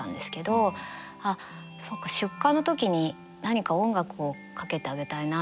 あっそっか出棺の時に何か音楽をかけてあげたいな。